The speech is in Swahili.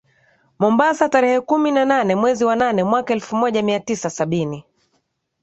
Mombasa tarehe kumi na nane mwezi wa nane mwaka elfu moja mia tisa sabini